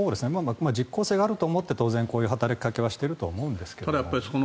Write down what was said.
実効性があると思ってこういう働きかけをしていると思いますが。